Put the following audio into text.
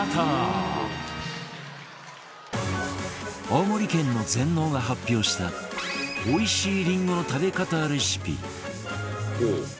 青森県の全農が発表したおいしいりんごの食べ方レシピ